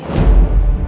ini kenyataan dewi